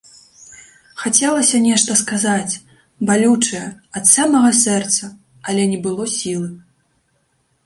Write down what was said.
Хацелася нешта сказаць, балючае, ад самага сэрца, але не было сілы.